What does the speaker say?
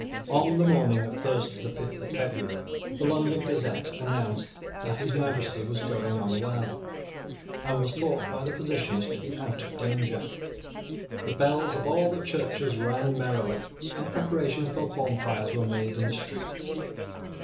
On the morning of Thursday the fifth of February, the London Gazette announced that His Majesty was going on well, and was thought by the physicians to be out of danger. The bells of all the churches rang merrily; and preparations for bonfires were made in the streets.